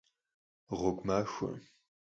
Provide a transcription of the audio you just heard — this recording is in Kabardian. Гъуэгу махуэ!